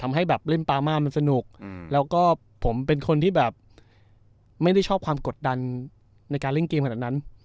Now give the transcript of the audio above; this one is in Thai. ทำให้แบบเล่นปามามันสนุกแล้วก็ผมเป็นคนที่แบบไม่ได้ชอบความกดดันในการเล่นเกมขนาดนั้น